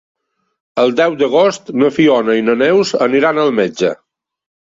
El deu d'agost na Fiona i na Neus aniran al metge.